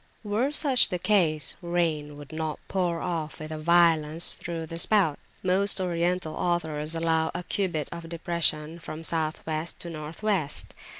Were such the case, rain would not pour off with violence through the spout. Most Oriental authors allow a cubit of depression from South West to North West.